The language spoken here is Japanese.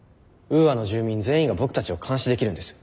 ウーアの住民全員が僕たちを監視できるんです。